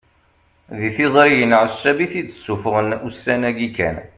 D tiẓrigin Ɛeccab i t-id-isuffɣen ussan-agi kan